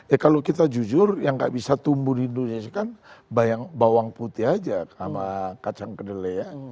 ya kalau kita jujur yang gak bisa tumbuh di indonesia kan bawang putih aja sama kacang kedelai ya